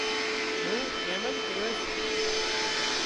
مُون ايمز ڪريوش